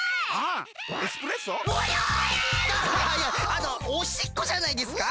あのおしっこじゃないですか？